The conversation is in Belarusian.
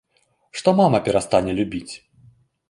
Што мама перастане любіць.